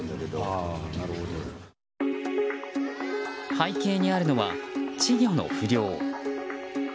背景にあるのは稚魚の不漁。